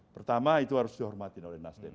pertama itu harus dihormatin oleh nasdem